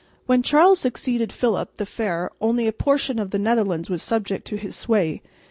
When Charles succeeded Philip the Fair only a portion of the Netherlands was subject to his sway.